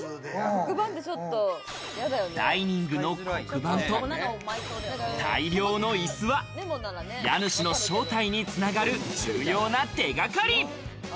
ダイニングの黒板と大量のいすは、家主の正体に繋がる重要な手掛かり。